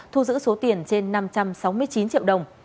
thu giữ số tiền trên năm trăm sáu mươi chín triệu đồng